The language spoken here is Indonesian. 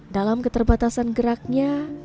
dalam keterbatasan geraknya